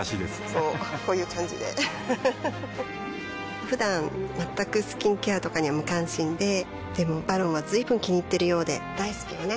こうこういう感じでうふふふだん全くスキンケアとかに無関心ででも「ＶＡＲＯＮ」は随分気にいっているようで大好きよね